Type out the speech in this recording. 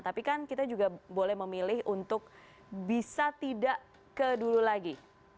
tapi kan kita juga boleh memilih untuk bisa tidak ke dulu lagi